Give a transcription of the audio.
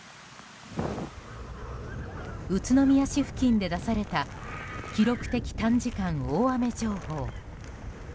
宇都宮市付近で出された記録的短時間大雨情報。